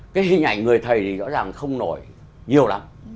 cái hình ảnh người thầy thì rõ ràng không nổi nhiều lắm